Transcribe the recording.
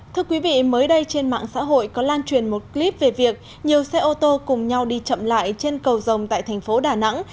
thưa quý vị mới đây trên mạng xã hội có lan truyền một clip về việc nhiều xe ô tô cùng nhau đi chậm lại trên cầu rồng tại thành phố đà nẵng